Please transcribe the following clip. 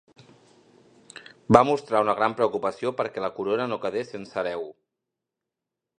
Va mostrar una gran preocupació perquè la corona no quedés sense hereu.